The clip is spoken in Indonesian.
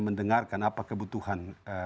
mendengarkan apa kebutuhan